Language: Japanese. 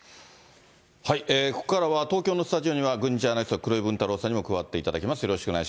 ここからは、東京のスタジオには、軍事ジャーナリストの黒井文太郎さんにも加わっていただきます。